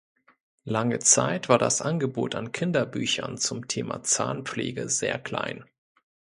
Lange Zeit war das Angebot an Kinderbüchern zum Thema Zahnpflege sehr klein.